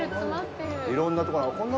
いろんなところがある。